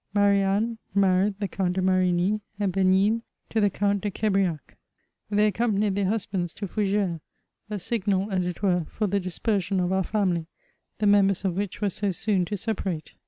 Marianne married the Count de Marigny, and Benigne to the Count de Qu^riac. They accompanied their husbands to Foug^res ; a signal, as it were, for the dispersion of our family, the members of which were so soon to separate.